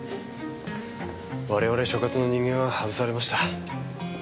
我々所轄の人間は外されました。